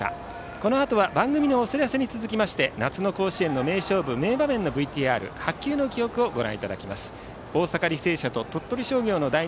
このあとは番組のお知らせに続きまして夏の甲子園の名勝負・名場面のＶＴＲエアコンはためらわず。